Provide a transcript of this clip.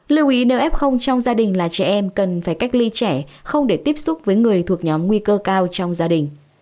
lưu ý nếu f trong gia đình là trẻ em cần phải cách ly trẻ không để tiếp xúc với người thuộc nhóm nguy cơ cao trong gia đình